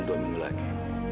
dua minggu lagi